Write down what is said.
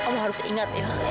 kamu harus ingat ya